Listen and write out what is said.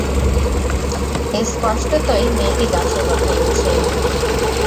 স্পষ্টতই মেয়েটি গাছের কথা বলছে।